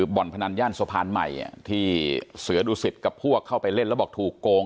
บ่อนพนันย่านสะพานใหม่ที่เสือดุสิตกับพวกเข้าไปเล่นแล้วบอกถูกโกง